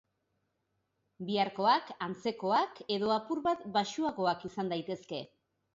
Biharkoak antzekoak edo apur bat baxuagoak izan daitezke.